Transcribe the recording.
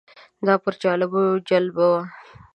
دا پر جالبو جالبه وه.